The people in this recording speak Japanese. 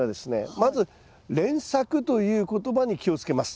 まず連作という言葉に気をつけます。